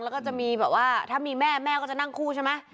แล้วก็จะมีแบบว่าถ้ามีแม่แม่ก็จะนั่งคู่ใช่ไหม